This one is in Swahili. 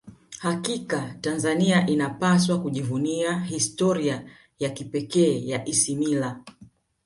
hakika tanzania inapaswa kujivunia historia ya kipekee ya isimila